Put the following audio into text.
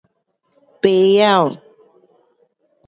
不会